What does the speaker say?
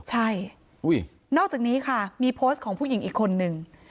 ใช่นอกจากนี้ค่ะมีโพสต์ของผู้หญิงอีกคนนึง